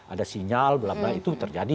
ada sinyal blablabla itu terjadi